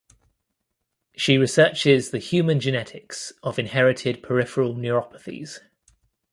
She researches the human genetics of inherited peripheral neuropathies.